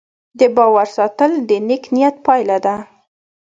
د باور ساتل د نیک نیت پایله ده.